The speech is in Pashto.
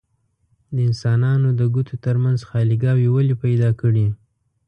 د انسانانو د ګوتو ترمنځ خاليګاوې ولې پیدا کړي؟